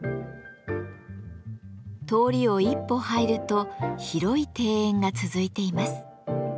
通りを一歩入ると広い庭園が続いています。